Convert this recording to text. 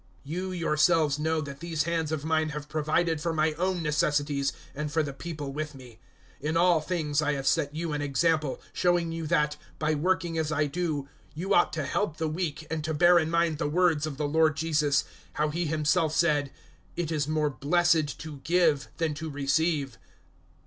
020:034 You yourselves know that these hands of mine have provided for my own necessities and for the people with me. 020:035 In all things I have set you an example, showing you that, by working as I do, you ought to help the weak, and to bear in mind the words of the Lord Jesus, how He Himself said, "`It is more blessed to give than to receive.'"